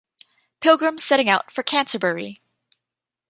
Pilgrims Setting Out for Canterbury.